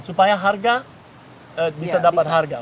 supaya harga bisa dapat harga